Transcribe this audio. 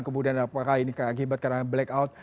kemudian apakah ini akibat karena blackout